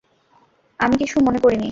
আমি কিছু মনে করিনি।